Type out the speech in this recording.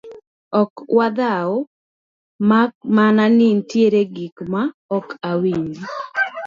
ok wadhao mak mana ni nitie gima ok awinji